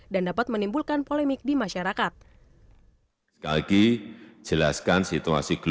dan dapat menimbulkan polemik di masyarakat